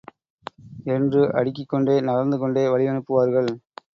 என்று அடுக்கிக் கொண்டே நகர்ந்து கொண்டே வழியனுப்புவார்கள்.